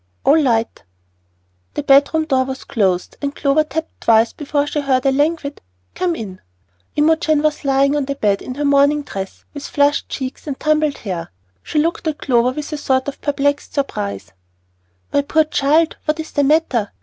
"All litee." The bed room door was closed, and Clover tapped twice before she heard a languid "Come in." Imogen was lying on the bed in her morning dress, with flushed cheeks and tumbled hair. She looked at Clover with a sort of perplexed surprise. "My poor child, what is the matter?